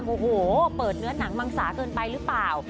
โอ้โหเปิดเนื้อหนังมังสาเกินไปหรือเปล่า